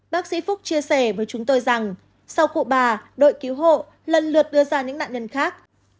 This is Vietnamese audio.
bác sĩ phúc chia sẻ với chúng tôi rằng sau cụ bà đội cứu hộ lần lượt đưa ra những nạn nhân khác